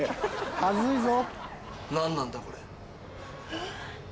はずいぞ。